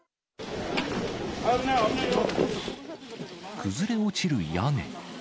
崩れ落ちる屋根。